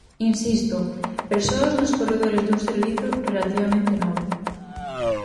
Insisto: persoas nos corredores dun servizo relativamente novo.